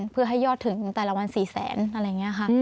เพื่อให้ยอดถึงแต่ละวัน๔แสนอะไรอย่างนี้ค่ะ